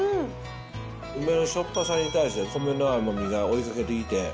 梅のしょっぱさに対して、米の甘みが追いかけてきて。